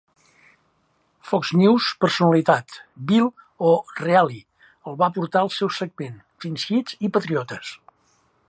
Fox News personalitat Bill o'Reilly el va portar al seu segment "Fin-Heads i patriotes".